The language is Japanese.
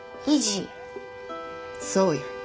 そうや。